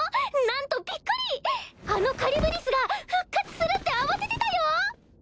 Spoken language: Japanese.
なんとビックリあのカリュブディスが復活するって慌ててたよ！